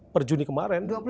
per juni kemarin